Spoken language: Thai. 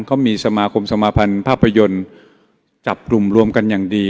เขามีสมาคมสมาภัณฑ์ภาพยนตร์จับกลุ่มรวมกันอย่างดี